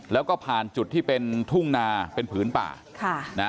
แล้วก็ผ่านจุดที่เป็นทุ่งนาเป็นผืนป่า